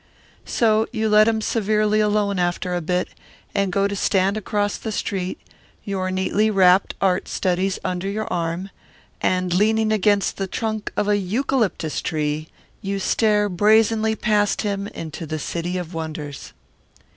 So you let him severely alone after a bit, and go to stand across the street, your neatly wrapped art studies under your arm, and leaning against the trunk of a eucalyptus tree, you stare brazenly past him into the city of wonders.